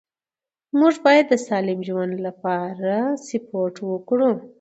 موږ باید د سالم ژوند لپاره سپورت وکړو